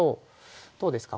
どうですか？